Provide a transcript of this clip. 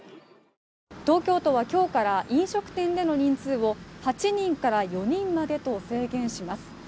東京都は今日から飲食店での人数を８人から４人までと制限します。